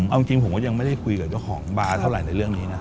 เอาจริงผมก็ยังไม่ได้คุยกับเจ้าของบาร์เท่าไหร่ในเรื่องนี้นะ